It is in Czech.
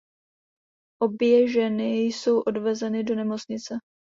Obě ženy jsou odvezeny do nemocnice.